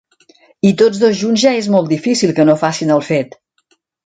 I tots dos junts ja és molt difícil que no facin el fet.